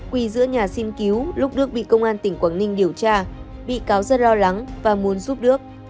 quỳ giữa nhà xin cứu lúc đức bị công an tỉnh quảng ninh điều tra bị cáo rất lo lắng và muốn giúp đức